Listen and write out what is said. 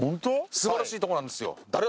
素晴らしいとこなんですよ。